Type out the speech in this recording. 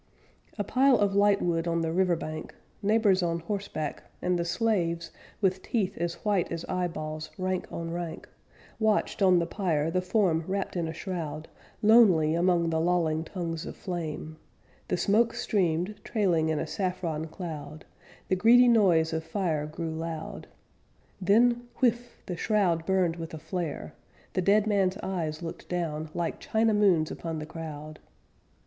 A pile of lightwood on the river bank, Neighbors on horseback, and the slaves, With teeth as white as eyeballs, rank on rank, Watched on the pyre the form wrapped in a shroud, Lonely among the lolling tongues of flames The smoke streamed, trailing in a saffron cloud, The greedy noise of fire grew loud, Then, "whiff," the shroud burned with a flare: The dead man's eyes looked down Like china moons upon the crowd.